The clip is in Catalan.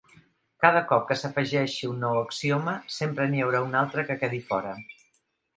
Cada cop que s'afegeixi un nou axioma sempre n'hi haurà un altre que quedi fora.